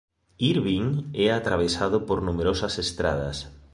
Irving é atravesado por numerosas estradas.